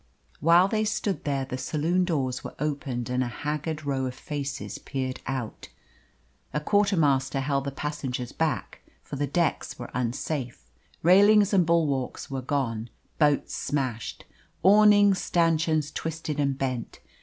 While they stood there the saloon doors were opened and a haggard row of faces peered out. A quarter master held the passengers back, for the decks were unsafe. Railings and bulwarks were gone, boats smashed, awning stanchions twisted and bent.